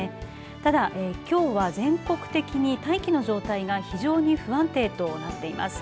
ただきょうは全国的に大気の状態が非常に不安定となっています。